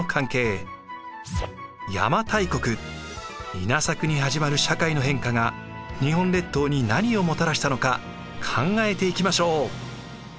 稲作に始まる社会の変化が日本列島に何をもたらしたのか考えていきましょう。